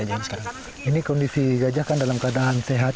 ketika accelara dengan tujuan kyes contributi data menunjukkan keterangan bekerjaan